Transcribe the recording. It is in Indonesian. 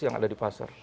yang ada di pasar